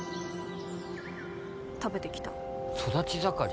食べてきた育ち盛り？